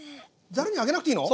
ザルにあげなくていいの？